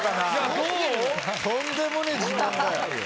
とんでもねぇ自慢だよ。